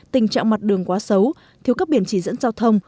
tình trạng mặt đường quá xấu thiếu các biển chỉ dẫn giao thông